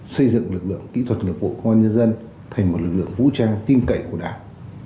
xây dựng lực lượng kỹ thuật nghiệp vụ công an nhân dân thành một lực lượng vũ trang tin cậy của đảng